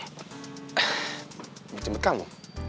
coba cempet kamu